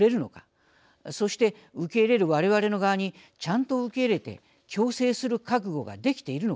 そして受け入れる我々の側にちゃんと受け入れて共生する覚悟ができているのか。